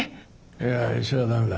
いや医者は駄目だ。